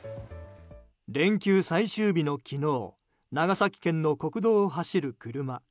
連休最終日の昨日長崎県の国道を走る車。